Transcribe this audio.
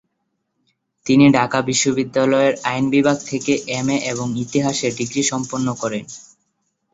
তিনি ঢাকা বিশ্ববিদ্যালয়ের আইন বিভাগ থেকে এমএ এবং ইতিহাসে ডিগ্রী সম্পন্ন করেন।